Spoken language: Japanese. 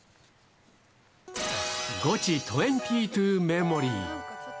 ゴチ２２メモリー。